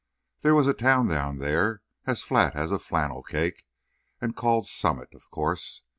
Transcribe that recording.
There was a town down there, as flat as a flannel cake, and called Summit, of course.